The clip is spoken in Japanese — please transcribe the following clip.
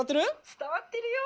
「伝わってるよ。